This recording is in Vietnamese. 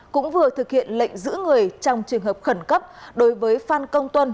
cũng vừa thực hiện lệnh giữ người trong trường hợp khẩn cấp đối với phan công tuân